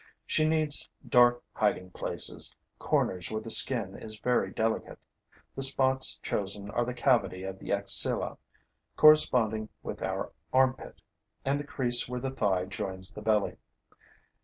She needs dark hiding places, corners where the skin is very delicate. The spots chosen are the cavity of the axilla, corresponding with our armpit, and the crease where the thigh joins the belly.